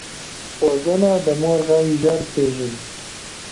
غوږونه د مور غږ ژر پېژني